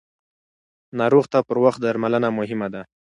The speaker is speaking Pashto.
ناروغ ته پر وخت درملنه مهمه ده.